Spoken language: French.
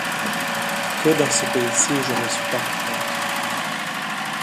Que dans ce pays-ci je ne suis pas contente